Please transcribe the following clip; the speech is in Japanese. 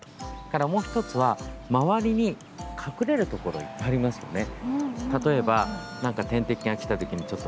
もう１つは周りに隠れるところいっぱいありますよね。